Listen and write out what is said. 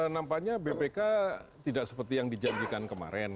nampaknya bpk tidak seperti yang dijanjikan kemarin